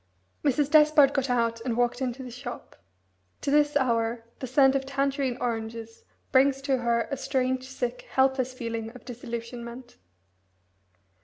Mrs. Despard got out and walked into the shop. To this hour the scent of Tangerine oranges brings to her a strange, sick, helpless feeling of disillusionment.